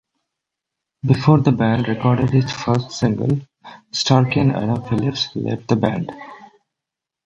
Before the band recorded its first single, Starkie and Adam Phillips left the band.